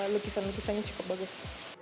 lukisan lukisannya cukup bagus